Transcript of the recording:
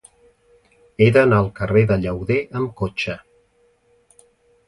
He d'anar al carrer de Llauder amb cotxe.